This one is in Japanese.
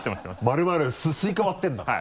丸々スイカ割ってるんだから。